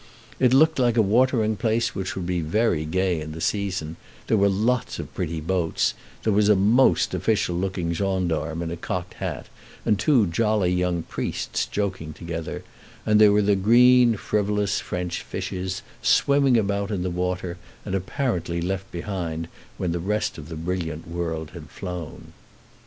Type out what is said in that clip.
It looked like a watering place that would be very gay in the season; there were lots of pretty boats; there was a most official looking gendarme in a cocked hat, and two jolly young priests joking together; and there were green, frivolous French fishes swimming about in the water, and apparently left behind when the rest of the brilliant world had flown.